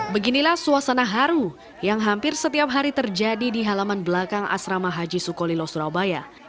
beginilah suasana haru yang hampir setiap hari terjadi di halaman belakang asrama haji sukolilo surabaya